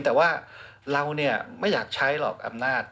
แต่ว่าเราเนี่ยไม่อยากใช้หรอกอำนาจ